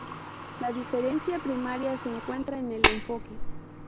La diferencia primaria se encuentra en el enfoque.